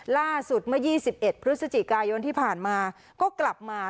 ล่าสุดเมื่อยี่สิบเอ็ดพฤศจิกายนที่ผ่านมาก็กลับมา